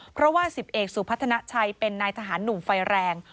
เพราะว่า๑๐เอกสุพัฒนาชัยเป็นนายทหารหนุ่มไฟแรง